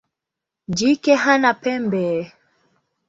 Jike hana pembe.